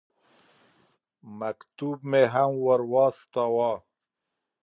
مکتوب مې هم ور واستاوه.